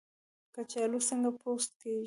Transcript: کچالو څنګه پوست کیږي؟